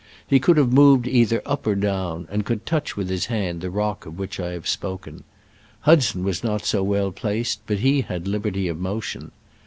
He could have moved either up or down, and could touch with his hand the rock of which I have spoken. Hudson was not so well placed, but he had liberty of motion.